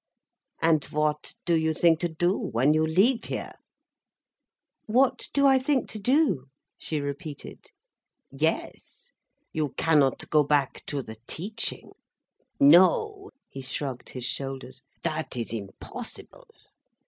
And what do you think to do when you leave here?" "What do I think to do?" she repeated. "Yes. You cannot go back to the teaching. No—" he shrugged his shoulders—"that is impossible.